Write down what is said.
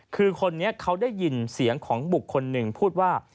คือคนนี้เขาได้ยินเสียงของบุคคลหนึ่งพูดว่า